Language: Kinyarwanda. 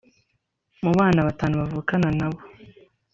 mu bana batanu avukana na bo